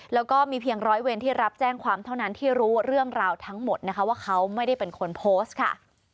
แล้วก็มีเพียงร้อยเวรที่รับแจ้งความเท่านั้นที่รู้เรื่องราวทั้งหมดนะคะว่าเขาไม่ได้เป็นคนโพสต์ค่ะ